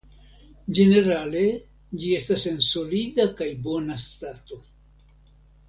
Ĝenerale ĝi estas en solida kaj bona stato.